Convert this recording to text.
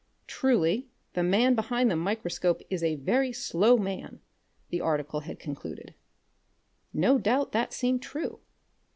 Truly, the man behind the microscope is a very slow man the article had concluded. No doubt that seemed true.